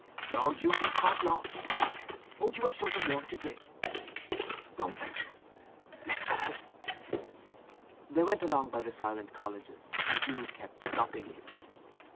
"Lord—you do talk lofty! Won't you have something warm to drink?" "No thank you. Let's get home." They went along by the silent colleges, and Jude kept stopping.